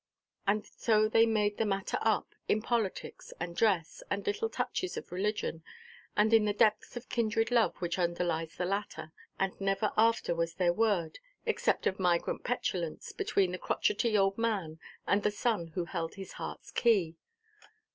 And so they made the matter up, in politics, and dress, and little touches of religion, and in the depth of kindred love which underlies the latter; and never after was there word, except of migrant petulance, between the crotchety old man, and the son who held his heartʼs key.